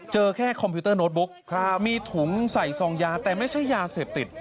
แค่คอมพิวเตอร์โน้ตบุ๊กมีถุงใส่ซองยาแต่ไม่ใช่ยาเสพติด